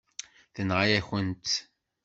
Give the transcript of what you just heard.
Tenɣa-yakent-tt.